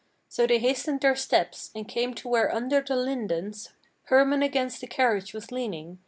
So they hastened their steps, and came to where under the lindens Hermann against the carriage was leaning.